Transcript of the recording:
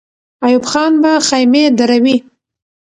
ایوب خان به خېمې دروي.